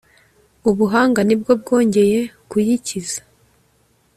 ubuhanga ni bwo bwongeye kuyikiza